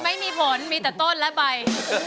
ไม่มีผลมีแต่ต้นและใบ